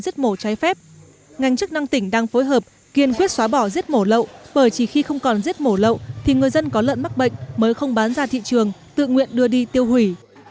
trong tỉnh đang phối hợp kiên quyết xóa bỏ giết mổ lậu bởi chỉ khi không còn giết mổ lậu thì người dân có lợn mắc bệnh mới không bán ra thị trường tự nguyện đưa đi tiêu hủy